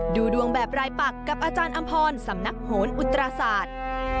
ดูดวงแบบรายปักกับอาจารย์อำพรสำนักโหนอุตราศาสตร์